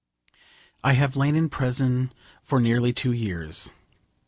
I have lain in prison for nearly two years.